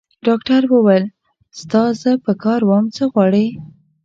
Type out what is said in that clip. ډاکټر وویل: ستا زه په کار وم؟ څه غواړې؟